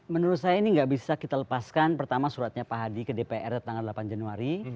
menurut saya ini nggak bisa kita lepaskan pertama suratnya pak hadi ke dpr tanggal delapan januari